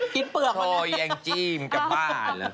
คอยแยงจิ้มกับบ้าน